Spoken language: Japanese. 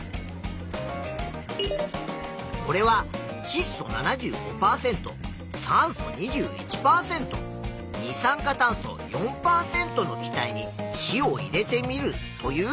これはちっ素７５％酸素２１％二酸化炭素４％の気体に火を入れてみるという実験。